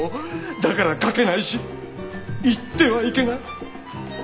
だから書けないし言ってはいけないッ！